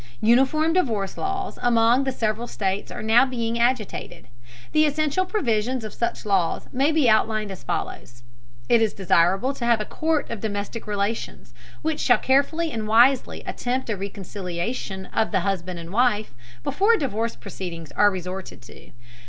Uniform divorce laws among the several states are now being agitated. The essential provisions of such laws may be outlined as follows: It is desirable to have a court of domestic relations, which shall carefully and wisely attempt a reconciliation of husband and wife before divorce proceedings are resorted to.